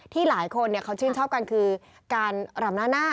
ที่หลายคนเขาชื่นสกับกันคือการหลำหน้า